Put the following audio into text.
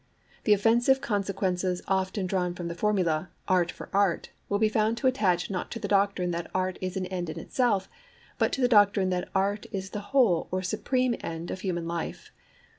The offensive consequences often drawn from the formula 'Art for Art' will be found to attach not to the doctrine that Art is an end in itself, but to the doctrine that Art is the whole or supreme end of human life.